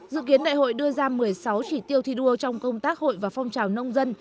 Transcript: dự kiến đại hội đưa ra một mươi sáu chỉ tiêu thi đua trong công tác hội và phong trào nông dân